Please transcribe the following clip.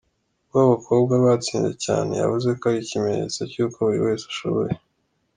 Kuba abakobwa batsinze cyane, yavuze ko ari ikimenyetso cy’uko buri wese ashoboye.